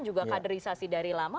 juga kaderisasi dari lama